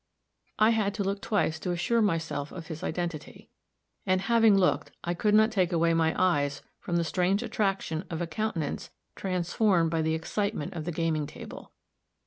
I had to look twice to assure myself of his identity. And having looked, I could not take away my eyes from the strange attraction of a countenance transformed by the excitement of the gaming table.